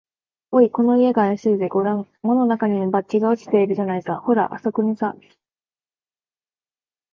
「おい、この家があやしいぜ。ごらん、門のなかにも、バッジが落ちているじゃないか。ほら、あすこにさ」